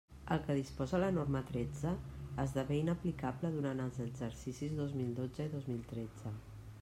El que disposa la norma tretze esdevé inaplicable durant els exercicis dos mil dotze i dos mil tretze.